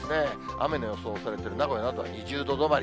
雨の予想されている名古屋などは２０度止まり。